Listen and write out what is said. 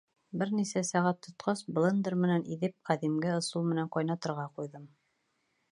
Бер нисә сәғәт тотҡас, блендер менән иҙеп, ҡәҙимге ысул менән ҡайнатырға ҡуйҙым.